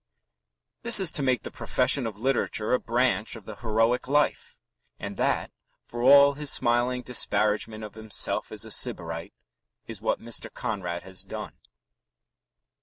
This is to make the profession of literature a branch of the heroic life. And that, for all his smiling disparagement of himself as a Sybarite, is what Mr. Conrad has done.